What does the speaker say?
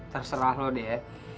terserah lo deh